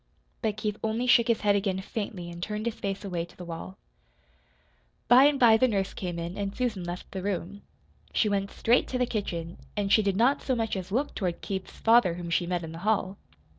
But Keith only shook his head again faintly and turned his face away to the wall. By and by the nurse came in, and Susan left the room. She went straight to the kitchen, and she did not so much as look toward Keith's father whom she met in the hall.